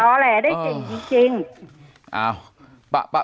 เอาแหละได้เจ๋งจริง